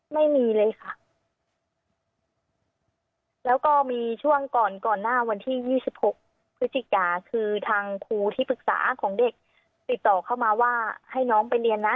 ไม่มีเลยค่ะแล้วก็มีช่วงก่อนก่อนหน้าวันที่ยี่สิบหกพฤศจิกาคือทางครูที่ปรึกษาของเด็กติดต่อเข้ามาว่าให้น้องไปเรียนนะ